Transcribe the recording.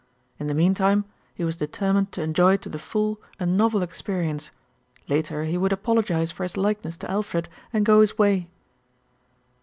In the meantime, he was determined to enjoy to the full a novel experience, later he would apologise for his likeness to Alfred and go his way.